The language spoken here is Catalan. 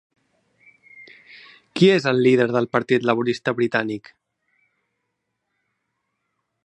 Qui és el líder del Partit Laborista britànic?